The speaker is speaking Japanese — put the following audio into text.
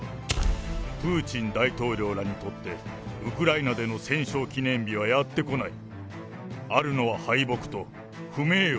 プーチン大統領らにとって、ウクライナでの戦勝記念日はやって来ない。